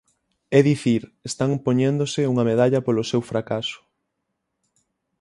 É dicir, están poñéndose unha medalla polo seu fracaso.